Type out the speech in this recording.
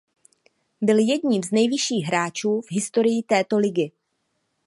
Byl jedním z nejvyšších hráčů v historii této ligy.